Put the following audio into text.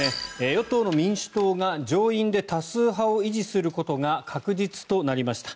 与党の民主党が上院で多数派を維持することが確実となりました。